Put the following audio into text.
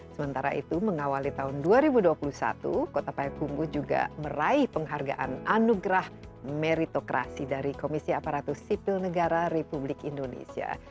sementara itu mengawali tahun dua ribu dua puluh satu kota payakumbu juga meraih penghargaan anugerah meritokrasi dari komisi aparatur sipil negara republik indonesia